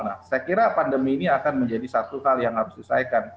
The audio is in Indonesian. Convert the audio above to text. nah saya kira pandemi ini akan menjadi satu hal yang harus diselesaikan